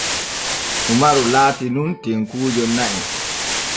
Umaru laati nun tenkuujo na'i.